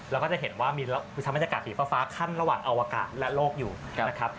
เราก็ได้เห็นว่ามีวิศักดิ์ทางภาษาภีฟ้าขั้นระหว่างอวการและโลกอยู่นะครับ